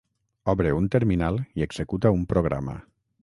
Obre un terminal i executa un programa.